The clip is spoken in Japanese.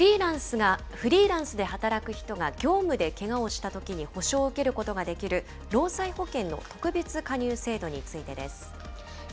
フリーランスで働く人が業務でけがをしたときに補償を受けることができる労災保険の特別加入制度についてです。